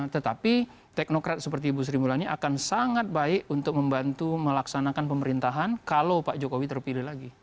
tetapi teknokrat seperti ibu sri mulyani akan sangat baik untuk membantu melaksanakan pemerintahan kalau pak jokowi terpilih lagi